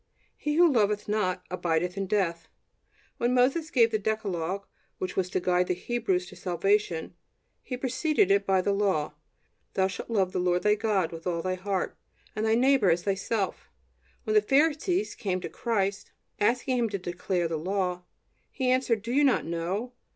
"He who loveth not ... abideth in death." When Moses gave the decalogue which was to guide the Hebrews to salvation, he preceded it by the law: "Thou shalt love the Lord thy God with all thy heart, and thy neighbor as thyself." When the Pharisees came to Christ, asking Him to declare the Law, He answered: "Do you not know?